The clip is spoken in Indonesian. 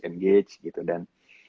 engage gitu dan